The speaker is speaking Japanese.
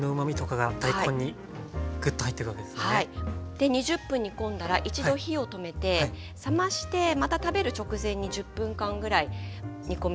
で２０分煮込んだら一度火を止めて冷ましてまた食べる直前に１０分間ぐらい煮込むと更に味がしみておいしくなります。